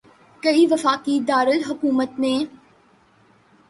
کہ وفاقی دارالحکومت میں